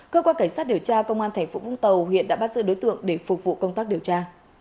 cơ quan cảnh sát điều tra công an thành phố vũng tàu hiện đã bắt giữ đối tượng để phục vụ công tác điều tra